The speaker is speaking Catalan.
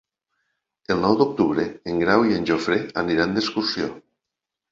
El nou d'octubre en Grau i en Jofre aniran d'excursió.